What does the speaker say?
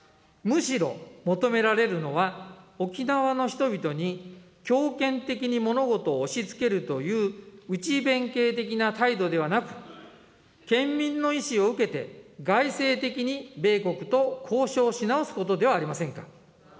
むしろ求められるのは、沖縄の人々に強権的に物事を押しつけるという内弁慶的な態度ではなく、県民の意思を受けて、外政的に米国と交渉し直すことではありませんか。